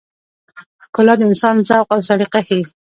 ښکلا د انسان ذوق او سلیقه ښيي.